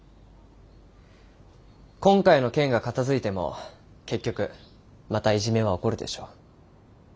今回の件が片づいても結局またいじめは起こるでしょう。